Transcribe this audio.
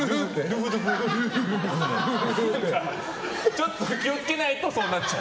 ちょっと気を付けないとそうなっちゃう。